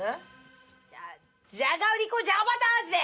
じゃあじゃがりこじゃがバター味で。